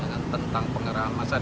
dengan tentang pengarahan masyarakat